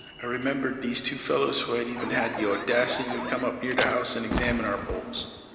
I remembered these two fellows who had even had the audacity to come up near the house and examine our poles.